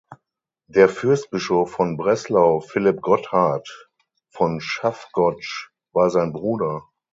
Der Fürstbischof von Breslau Philipp Gotthard von Schaffgotsch war sein Bruder.